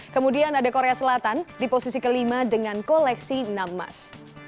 kemudian ada korea selatan di posisi kelima dengan koleksi enam emas